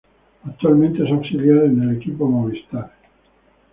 Actualmente es auxiliar en el equipo Movistar.